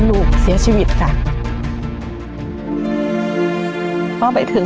ลองกันถามอีกหลายเด้อ